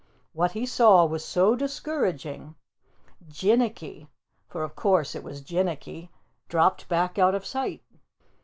What he saw was so discouraging, Jinnicky for of course it was Jinnicky dropped back out of sight.